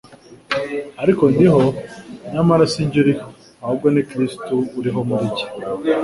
ariko ndiho, nyamara sijye uriho, ahubwo ni Kristo uriho muri njye.''